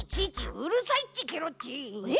うるさいっちケロっち！え？